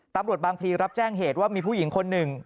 ตำรวจบางพลีรับแจ้งเหตุว่ามีผู้หญิงคนหนึ่ง